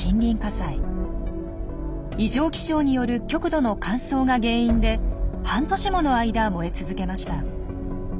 異常気象による極度の乾燥が原因で半年もの間燃え続けました。